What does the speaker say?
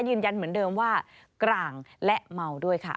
ยืนยันเหมือนเดิมว่ากลางและเมาด้วยค่ะ